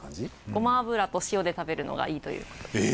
ごま油と塩で食べるのがいいということでした。